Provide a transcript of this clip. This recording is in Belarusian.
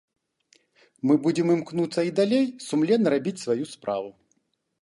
Мы будзем імкнуцца і далей сумленна рабіць сваю справу.